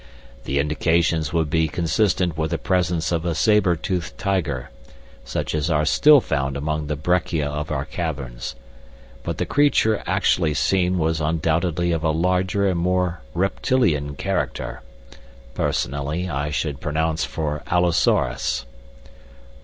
"The indications would be consistent with the presence of a saber toothed tiger, such as are still found among the breccia of our caverns; but the creature actually seen was undoubtedly of a larger and more reptilian character. Personally, I should pronounce for allosaurus."